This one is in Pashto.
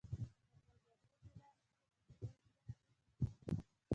د کابل گردیز د لارې سره د دریمې درجې پاخه سرک